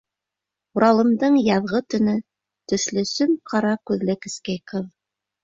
Уралымдың яҙғы төнө төҫлө сөм-ҡара күҙле кескәй ҡыҙ...